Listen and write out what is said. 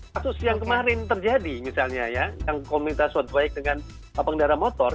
satu yang kemarin terjadi misalnya ya yang komunitas swat baik dengan pengendara motor